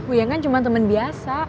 uyan kan cuma temen biasa